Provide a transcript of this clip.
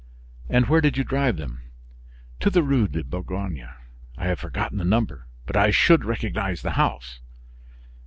"And where did you drive them?" "To the Rue de Bourgogne. I have forgotten the number, but I should recognize the house."